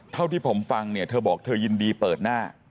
เท่าที่ผมฟังเนี่ยเธอบอกเธอยินดีเปิดหน้า